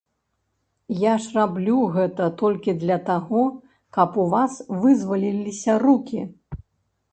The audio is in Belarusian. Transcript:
Я ж раблю гэта толькі для таго, каб у вас вызваліліся рукі.